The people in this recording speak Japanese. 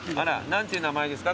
何ていう名前ですか？